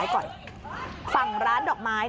ใช่